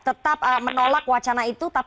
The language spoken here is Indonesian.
tetap menolak wacana itu